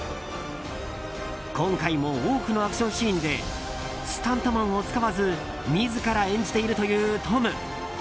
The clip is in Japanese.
今回も多くのアクションシーンでスタントマンを使わず自ら演じているというトム。